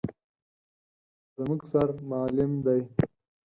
_زموږ سر معلم دی.